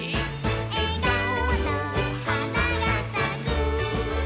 「えがおのはながさく」